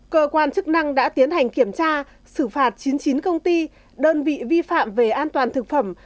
cơ quan chức năng đã tiến hành kiểm tra xử phạt chín mươi chín công ty đơn vị vi phạm về an toàn thực phẩm